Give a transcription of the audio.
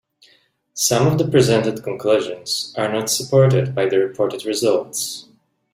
Some of the presented conclusions are not supported by the reported results.